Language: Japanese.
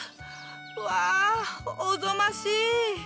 うわおぞましい！